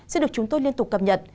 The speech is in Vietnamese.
sẽ được chúng tôi liên tục cập nhật